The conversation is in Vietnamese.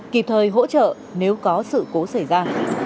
kịp thời hỗ trợ nếu có sự cố xảy ra